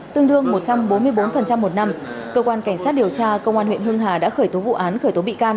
tương đương một trăm bốn mươi bốn một năm cơ quan cảnh sát điều tra công an huyện hưng hà đã khởi tố vụ án khởi tố bị can